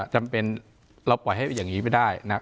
จำเป็นเราปล่อยให้อย่างนี้ไม่ได้นะ